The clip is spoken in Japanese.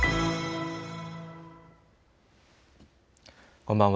こんばんは。